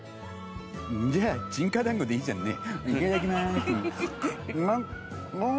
じゃあちんかだんごでいいじゃんね。